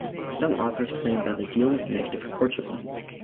Some authors claim that the deal was negative for Portugal.